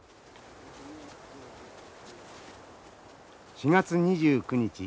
４月２９日